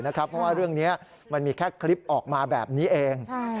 เพราะว่าเรื่องนี้มันมีแค่คลิปออกมาแบบนี้เอง